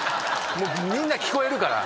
みんな聞こえるから。